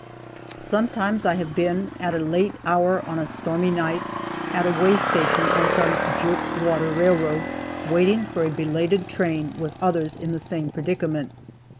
Sometimes I have been, at a late hour on a stormy night, at a way station on some "jerk water" railroad, waiting for a belated train, with others in the same predicament.